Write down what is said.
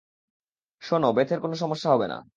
শোনো, বেথের কোনো সমস্যা হবে না।